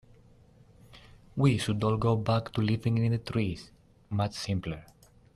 We should all go back to living in the trees, much simpler.